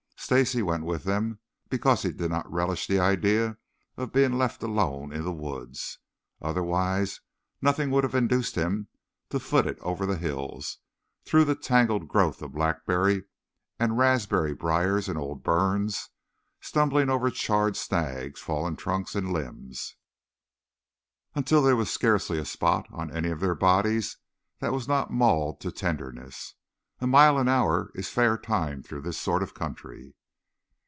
Stacy went with them because he did not relish the idea of being left alone in the woods. Otherwise nothing would have induced him to foot it over the hills, through the tangled growth of blackberry and raspberry briars in old burns, stumbling over charred snags, fallen trunks and limbs, until there was scarcely a spot on any of their bodies that was not mauled to tenderness. A mile an hour is fair time through this sort of country.